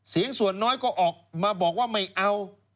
เสียงส่วนน้อยก็ออกมาบอกว่าไม่เอา